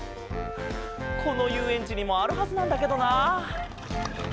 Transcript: このゆうえんちにもあるはずなんだけどな。